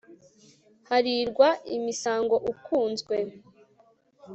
harirwa imisango ukuzwe